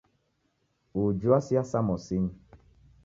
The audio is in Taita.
Uji wasia samosinyi.